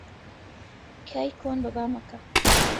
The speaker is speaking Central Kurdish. کای کۆن بەبا مەکە